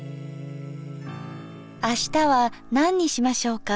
あしたは何にしましょうか。